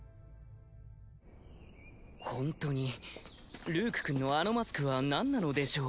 ホントにルークくんのあのマスクはなんなのでしょう？